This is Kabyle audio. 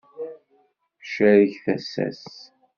Tcerreg tasa-s.